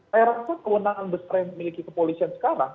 terkait dengan kewenangan besar yang memiliki kepolisian sekarang